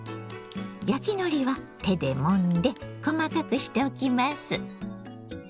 焼きのりは手でもんで細かくしておきます。